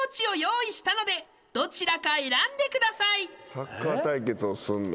サッカー対決をすんの？